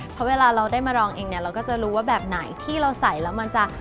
เพราะเวลาเราได้มาลองเองเนี่ยเราก็จะรู้ว่าแบบไหนที่เราใส่แล้วมันจะ